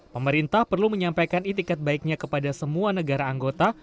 pemerintah perlu menyampaikan itikat baiknya kepada semua negara anggota